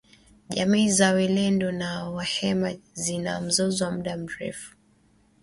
Jamii za walendu na wahema zina mzozo wa muda mrefu